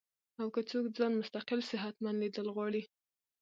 او کۀ څوک ځان مستقل صحتمند ليدل غواړي